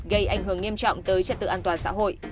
gây ảnh hưởng nghiêm trọng tới trật tự an toàn xã hội